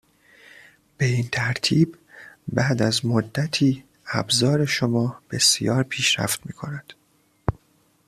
به این ترتیب بعد از مدتی ابزار شما بسیار پیشرفت میکند